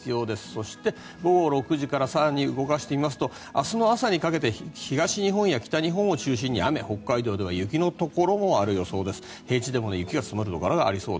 そして午後６時から更に動かしますと明日の朝にかけて東日本や北日本を中心に雨北海道では雪のところがあり平地でも雪が積もる予想です。